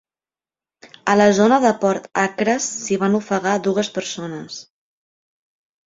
A la zona de Port Acres s'hi van ofegar dues persones.